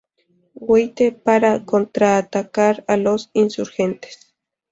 White para contraatacar a los insurgentes.